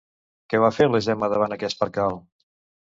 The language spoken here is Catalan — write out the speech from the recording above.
Què va fer la Gemma davant aquest percal?